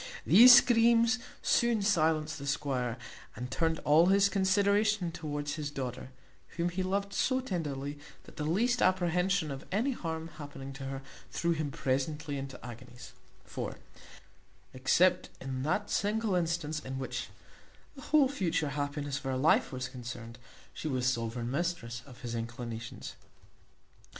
These screams soon silenced the squire, and turned all his consideration towards his daughter, whom he loved so tenderly, that the least apprehension of any harm happening to her, threw him presently into agonies; for, except in that single instance in which the whole future happiness of her life was concerned, she was sovereign mistress of his inclinations.